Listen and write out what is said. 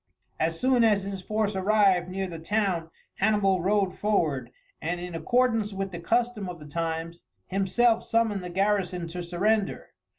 As soon as his force arrived near the town Hannibal rode forward, and, in accordance with the custom of the times, himself summoned the garrison to surrender.